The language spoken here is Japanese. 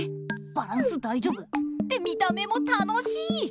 バランスだいじょぶ？って見た目も楽しい！